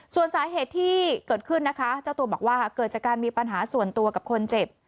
ส่วนสาเหตุที่เกิดขึ้นนะคะเจ้าตัวบอกว่าเกิดจากการมีปัญหาส่วนตัวกับคนเจ็บ